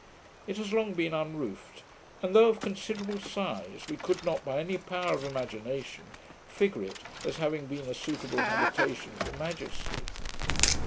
It has long been unroofed; and, though of considerable size, we could not, by any power of imagination, figure it as having been a suitable habitation for majesty.